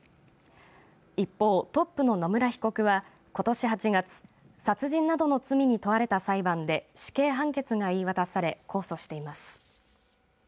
一方、トップの野村被告はことし８月殺人などの罪に問われた裁判で死刑判決が言い渡され控訴しています。